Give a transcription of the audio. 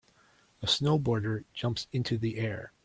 a snowboarder jumps into the air.